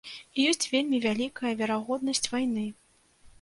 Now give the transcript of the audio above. І ёсць вельмі вялікая верагоднасць вайны.